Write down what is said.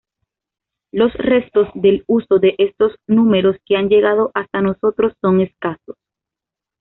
Los restos del uso de estos números que han llegado hasta nosotros son escasos.